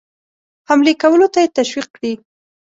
حملې کولو ته یې تشویق کړي.